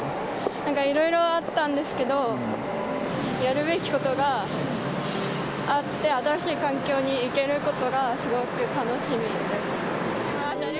なんか、いろいろあったんですけど、やるべきことがあって、新しい環境に行けることがすごく楽しみです。